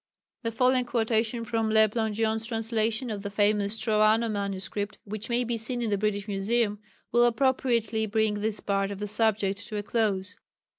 The following quotation from Le Plongeon's translation of the famous Troano MS., which may be seen in the British Museum, will appropriately bring this part of the subject to a close.